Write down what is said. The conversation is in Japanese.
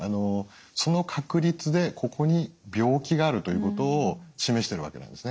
その確率でここに病気があるということを示してるわけなんですね。